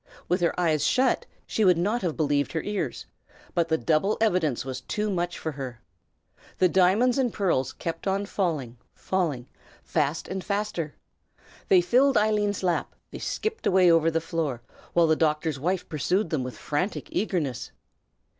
With her eyes shut, she would not have believed her ears; but the double evidence was too much for her. The diamonds and pearls kept on falling, falling, fast and faster. They filled Eileen's lap, they skipped away over the floor, while the doctor's wife pursued them with frantic eagerness.